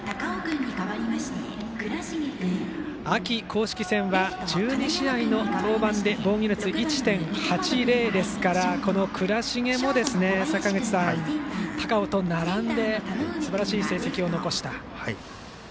秋公式戦は１２試合の登板で防御率１．８０ですからこの倉重も、坂口さん高尾と並んですばらしい成績を残した。